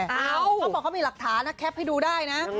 เขาบอกเขามีหลักฐานนะแคปให้ดูได้นะ